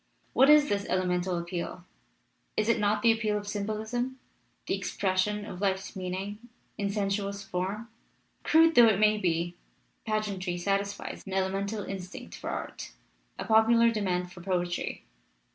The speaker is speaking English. What is this elemental appeal? Is it not the appeal of symbolism, the expression of life's meanings in sensuous form? Crude though it may be, pageantry satisfies an elemental in stinct for art, a popular demand for poetry.